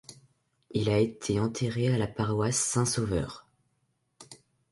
Il a été enterré à la paroisse Saint-Sauveur.